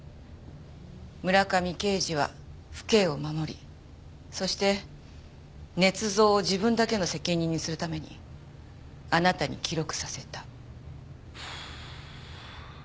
村上刑事は府警を守りそして捏造を自分だけの責任にするためにあなたに記録させた。